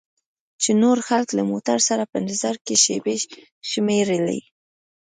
چې نور خلک له موټر سره په انتظار کې شیبې شمیرلې.